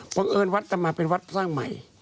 บังเอิญวัดจะมาเป็นวัดสร้างใหม่